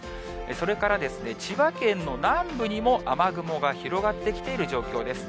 それから千葉県の南部にも雨雲が広がってきている状況です。